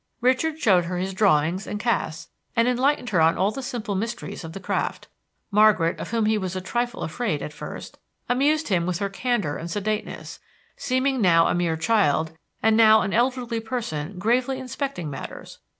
Richard showed her his drawings and casts, and enlightened her on all the simple mysteries of the craft. Margaret, of whom he was a trifle afraid at first, amused him with her candor and sedateness, seeming now a mere child, and now an elderly person gravely inspecting matters.